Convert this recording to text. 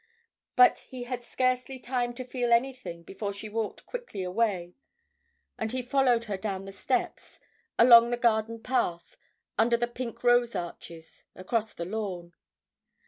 But he had scarcely time to feel anything before she walked quickly away, and he followed her down the steps, along the garden path, under the pink rose arches, across the lawn.